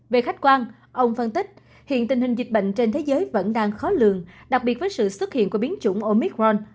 về khách quan ông phân tích hiện tình hình dịch bệnh trên thế giới vẫn đang khó lường đặc biệt với sự xuất hiện của biến chủng omicron